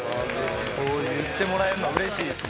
そう言ってもらえるのうれしいですね。